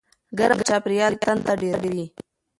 ګرم چاپېریال تنده ډېروي.